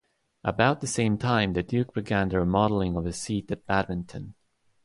About the same time the Duke began the remodelling of his seat at Badminton.